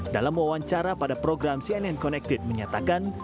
dalam wawancara pada program cnn connected menyatakan